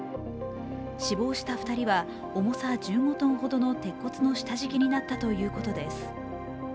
死亡した２人は重さ１５ｔほどの鉄骨の下敷きになったということです。